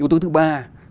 yếu tố thứ ba